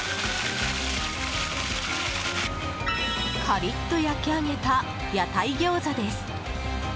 カリッと焼き揚げた屋台餃子です。